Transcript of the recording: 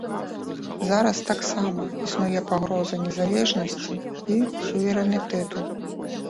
Зараз таксама існуе пагроза незалежнасці і суверэнітэту.